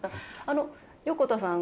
あの横田さん